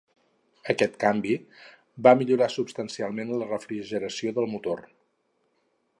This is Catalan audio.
Aquest canvi va millorar substancialment la refrigeració del motor.